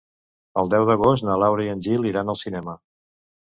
El deu d'agost na Laura i en Gil iran al cinema.